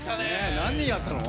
何人やったの？